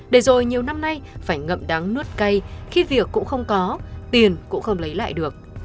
để rồi nhiều năm nay phải ngậm đắng nuốt cây khi việc cũng không có tiền cũng không lấy lại được